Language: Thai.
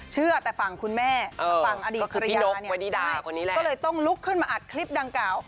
เชื่อแต่ฝั่งคุณแม่ฝั่งอดีตภรรยาเนี่ยก็เลยต้องลุกขึ้นมาอัดคลิปดังกล่าว